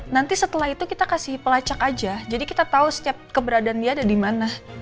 nanti setelah itu kita kasih pelacak aja jadi kita tahu setiap keberadaan dia ada di mana